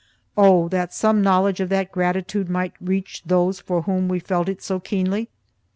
Oh, that some knowledge of that gratitude might reach those for whom we felt it so keenly!